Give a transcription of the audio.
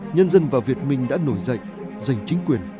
nhân dân và việt minh đã nổi dậy giành chính quyền